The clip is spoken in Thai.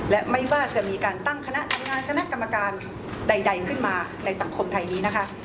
และไม่ว่าจะมีการตั้งคณะกรรมการใดขึ้นมาในสังคมไทยนี้นะคะ